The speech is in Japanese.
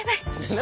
何？